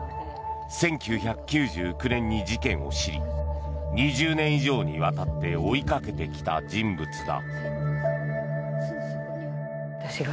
１９９９年に事件を知り２０年以上にわたって追いかけてきた人物だ。